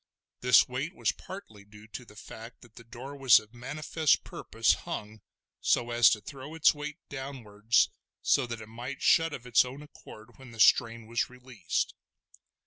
This weight was partly due to the fact that the door was of manifest purpose hung so as to throw its weight downwards, so that it might shut of its own accord when the strain was released.